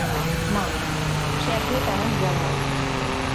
না, সে আসলে তেমন বিড়াল নয়।